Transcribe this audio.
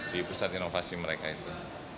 di pusat inovasi mereka itu